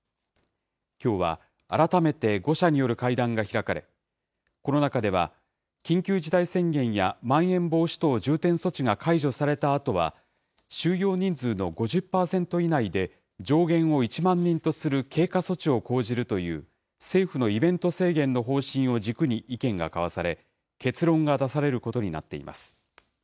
きょうは改めて５者による会談が開かれ、この中では、緊急事態宣言やまん延防止等重点措置が解除されたあとは、収容人数の５０％以内で上限を１万人とする経過措置を講じるという政府のイベント制限の方針を軸に意見が交わされ、結論が出されることになっています。